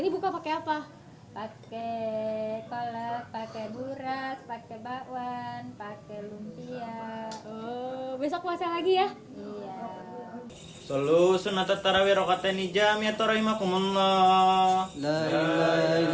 besok puasanya lagi ya